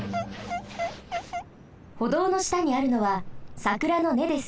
歩道のしたにあるのはさくらのねです。